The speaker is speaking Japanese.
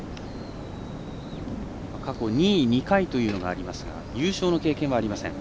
過去２位２回というのはありますが優勝の経験はありません。